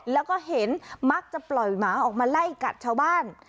แล้วก็เห็นมักจะปล่อยหมาออกมาไล่กัดชาวบ้าน